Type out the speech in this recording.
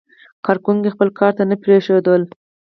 کارکوونکي خپل کار ته نه پرېښودل.